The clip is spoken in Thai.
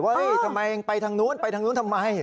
เว้ยทำไมไปทางนู้นทำไม